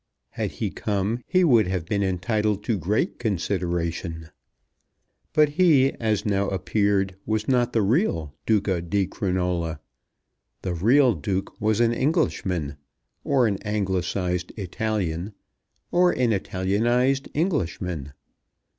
Had he come he would have been entitled to great consideration. But he, as now appeared, was not the real Duca di Crinola. The real duke was an Englishman, or an Anglicized Italian, or an Italianized Englishman.